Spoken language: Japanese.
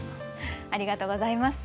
ありがとうございます。